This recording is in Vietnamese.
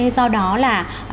do đó là